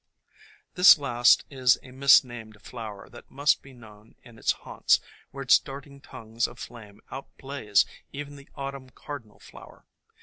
This last is a misnamed flower that must be known in its haunts, where its darting tongues of flame outblaze even the autumn Cardinal Flower.